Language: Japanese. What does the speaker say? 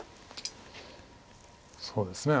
そうですね